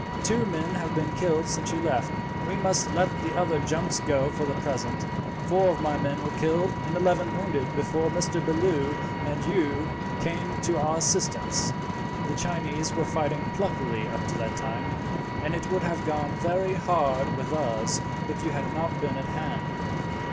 Two men have been killed since you left. We must let the other junks go for the present. Four of my men were killed and eleven wounded before Mr. Bellew and you came to our assistance. "The Chinese were fighting pluckily up to that time, and it would have gone very hard with us if you had not been at hand.